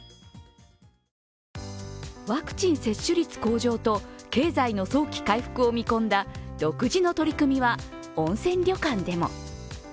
ワクチン接種率向上と経済の早期回復を見込んだ独自の取り組みは温泉旅館でも。